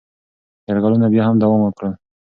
یرغلونه بیا هم دوام وکړل.